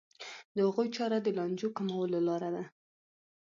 د هغوی چاره د لانجو کمولو لاره ده.